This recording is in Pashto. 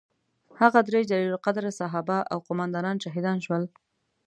هغه درې جلیل القدره صحابه او قوماندانان شهیدان شول.